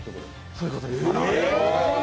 そういうことです。